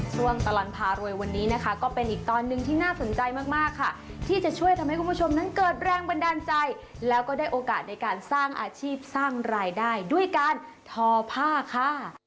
ช่วงตลอดพารวยวันนี้นะคะก็เป็นอีกตอนหนึ่งที่น่าสนใจมากค่ะที่จะช่วยทำให้คุณผู้ชมนั้นเกิดแรงบันดาลใจแล้วก็ได้โอกาสในการสร้างอาชีพสร้างรายได้ด้วยการทอผ้าค่ะ